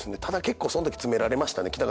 ただ結構そんとき詰められましたね